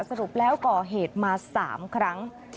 สรุปแล้วก่อเหตุมา๓ครั้ง